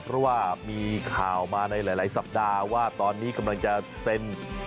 เพราะว่ามีข่าวมาในหลายสัปดาห์ว่าตอนนี้กำลังจะเซ็น